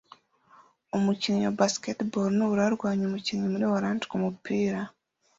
Umukinnyi wa basketball mubururu arwanya umukinnyi muri orange kumupira